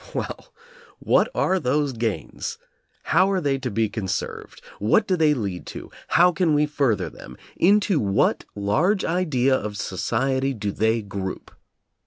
Well, what are those gains? How are they to be conserved? What do they lead to? How can we further them? Into what large idea of society do they group?